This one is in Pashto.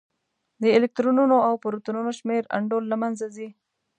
د الکترونونو او پروتونونو شمېر انډول له منځه ځي.